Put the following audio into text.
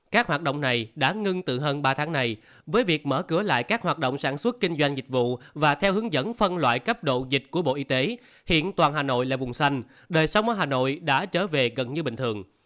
các hoạt động này đã ngưng từ hơn ba tháng này với việc mở cửa lại các hoạt động sản xuất kinh doanh dịch vụ và theo hướng dẫn phân loại cấp độ dịch của bộ y tế hiện toàn hà nội là vùng xanh đời sống ở hà nội đã trở về gần như bình thường